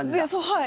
はい。